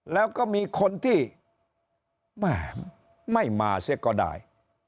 แล้วก็มีคนที่แม่ไม่มาเสียก็ได้